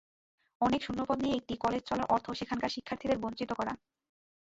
অনেক শূন্যপদ নিয়ে একটি কলেজ চলার অর্থ সেখানকার শিক্ষার্থীদের বঞ্চিত করা।